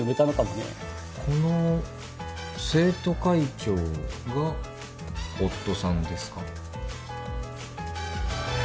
この「生徒会長」が夫さんですか？